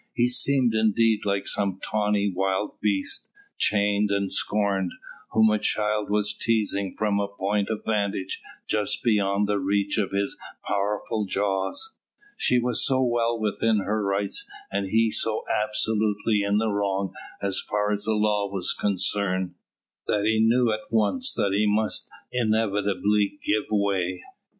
He seemed indeed like some tawny wild beast, chained and scorned, whom a child was teasing from a point of vantage just beyond the reach of his powerful jaws. She was so well within her rights and he so absolutely in the wrong as far as the law was concerned, that he knew at once that he must inevitably give way.